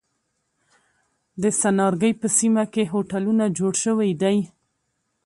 د څنارګی په سیمه کی هوټلونه جوړ شوی دی.